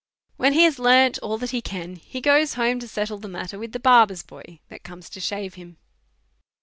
When he lias learned all that he can, he goes home to settle the matter with the barber's boy that comes to shave him.